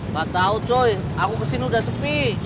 gak tau coy aku kesini udah sepi